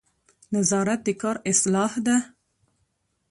نظارت د کار اصلاح ده